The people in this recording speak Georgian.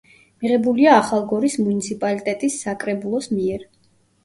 მიღებულია ახალგორის მუნიციპალიტეტის საკრებულოს მიერ.